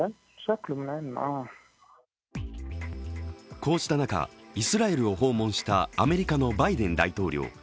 こうした中、イスラエルを訪問したアメリカのバイデン大統領。